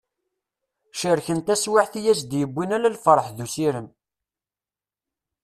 Cerken taswiɛt i as-d-yewwin ala lferḥ d usirem.